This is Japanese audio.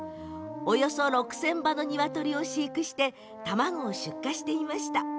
およそ６０００羽のニワトリを飼育して卵を出荷していました。